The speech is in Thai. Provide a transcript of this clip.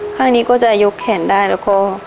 ข้างนี้ก็จะยกแขนได้แล้วก็